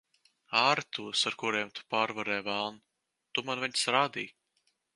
Āre tos, ar kuriem tu pārvarēji velnu. Tu man viņus rādīji.